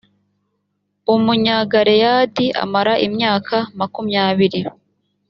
umunyagaleyadi amara imyaka makumyabiri